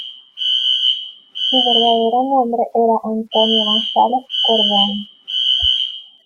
Su verdadero nombre era Antonio González Gordón.